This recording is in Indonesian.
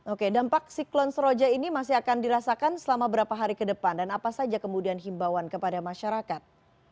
oke dampak siklon seroja ini masih akan dirasakan selama berapa hari ke depan dan apa saja kemudian himbauan kepada masyarakat